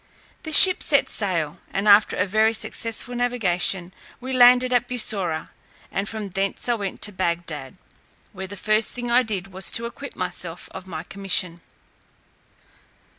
The ship set sail, and after a very successful navigation we landed at Bussorah, and from thence I went to Bagdad, where the first thing I did was to acquit myself of my commission.